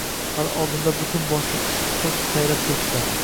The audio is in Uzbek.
Hali oldinda butun boshli qish pichoq qayrab turibdi.